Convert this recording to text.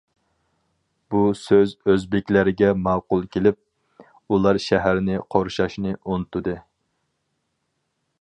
بۇ سۆز ئۆزبېكلەرگە ماقۇل كېلىپ، ئۇلار شەھەرنى قورشاشنى ئۇنتۇدى.